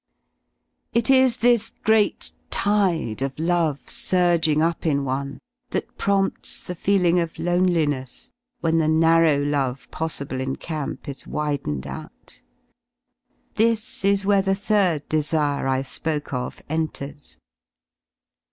It is this great tide of love surging up in one that prompts the feeling of loneliness when the narrow love possible in camp is widened out. This is where the third desire I spoke of enters.